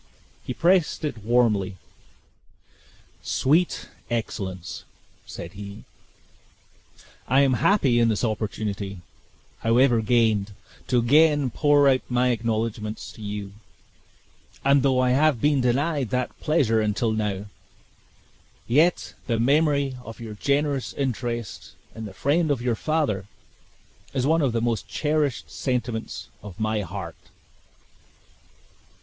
He pressed it warmly. "Sweet excellence!" said he, "I am happy in this opportunity, however gained, to again pour out my acknowledgments to you; and though I have been denied that pleasure until now, yet the memory of your generous interest in the friend of your father, is one of the most cherished sentiments of my heart!"